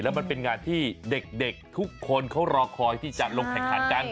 มันเป็นงานที่เด็กทุกคนเขารอคอยที่จะลงแข่งขันกัน